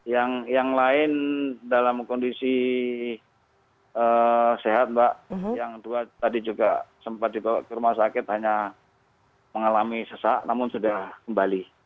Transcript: yang lain dalam kondisi sehat mbak yang dua tadi juga sempat dibawa ke rumah sakit hanya mengalami sesak namun sudah kembali